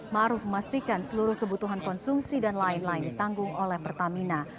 maruf memastikan seluruh kebutuhan konsumsi dan lain lain ditanggung oleh pertamina